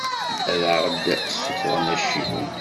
Ad aɣ-d-ssuffɣen acciwen.